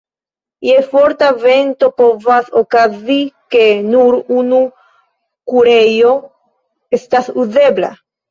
Je forta vento povas okazi, ke nur unu kurejo estas uzebla.